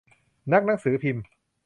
นักหนังสือพิมพ์